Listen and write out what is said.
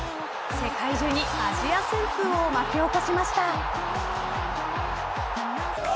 世界中にアジア旋風を巻き起こしました。